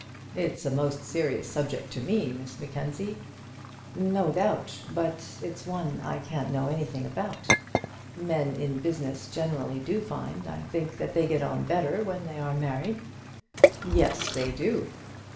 "It's a most serious subject to me, Miss Mackenzie." "No doubt; but it's one I can't know anything about. Men in business generally do find, I think, that they get on better when they are married." "Yes, they do."